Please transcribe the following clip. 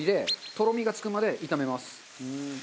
とろみがつくまで炒めます。